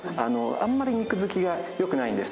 あんまり肉づきが良くないんですね